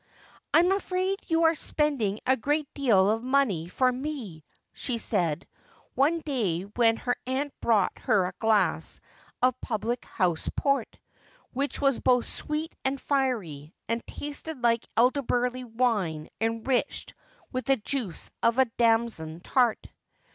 ' I'm afraid you are spending a great deal of money for me,' she said, one day when her aunt brought her a glass of public house port, which was both sweet and fiery, and tasted like elderberry wine enriched with the juice of a damson tart.